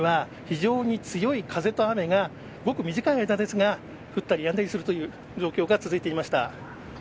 ただ、１時間ほど前には非常に強い風と雨がごく短い間ですが降ったりやんだりするという状況が続いていました。